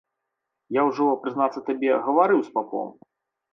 Я ўжо, прызнацца табе, гаварыў з папом.